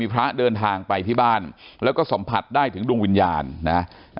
พระเดินทางไปที่บ้านแล้วก็สัมผัสได้ถึงดวงวิญญาณนะ